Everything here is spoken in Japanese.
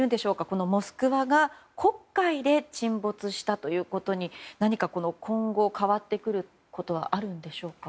この「モスクワ」が黒海で沈没したということに何か今後変わってくることはあるんでしょうか。